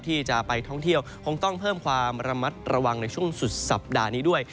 ที่จะไปท่องเที่ยวคงต้องเพิ่มความระมัดระวังในช่วงสุดสัปดาห์นี้ด้วย